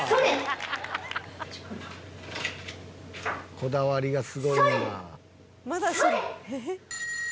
こだわりがすごいな。